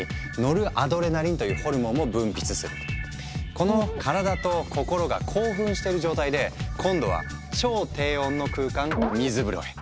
この体と心が興奮している状態で今度は超低温の空間「水風呂」へ。